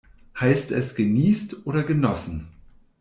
Heißt es geniest oder genossen?